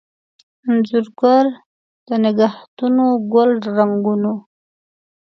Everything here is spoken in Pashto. انځورګر دنګهتونوګل رنګونو